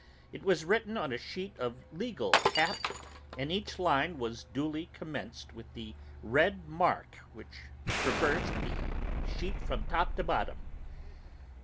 It was written on a sheet of legal cap, and each line was duly commenced within the red mark which traversed the sheet from top to bottom.